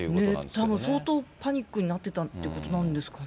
たぶん相当パニックになってたっていうことなんですかね。